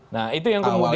nah itu yang kemudian